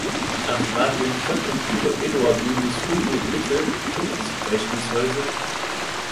Archivalien von und über Eduard Julius Hugo Witte finden sich beispielsweise